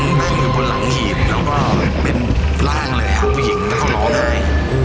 นั่งอยู่บนหลังหีบแล้วก็เป็นร่างเลยครับผู้หญิงแล้วก็ร้องไห้